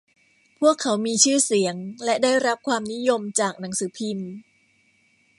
พวกเขามีชื่อเสียงและได้รับความนิยมจากหนังสือพิมพ์